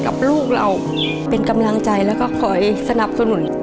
กับลูกเราเป็นกำลังใจแล้วก็คอยสนับสนุน